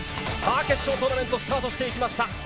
決勝トーナメントスタートしました。